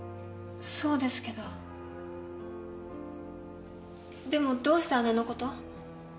そうですけどでもどうして姉の事を？